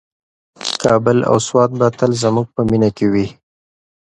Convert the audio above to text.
کابل او سوات به تل زموږ په مینه کې وي.